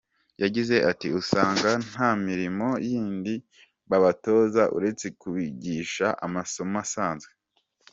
Yagize ati "Usanga nta mirimo yindi babatoza uretse kubigisha amasomo asanzwe.